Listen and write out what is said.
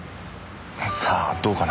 さあどうかな？